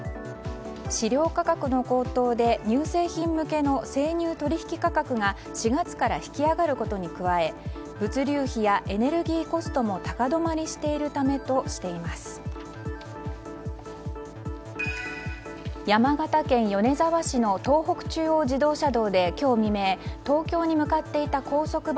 飼料価格の高騰で乳製品向けの生乳取引価格が４月から引き上がることに加え物流費やエネルギーコストも高止まりしているためとしています。